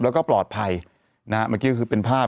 แล้วก็ปลอดภัยนะฮะเมื่อกี้ก็คือเป็นภาพ